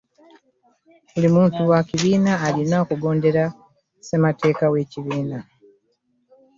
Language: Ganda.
Buli muntu wekibiina alina okugondera ssemateeka wekibiina.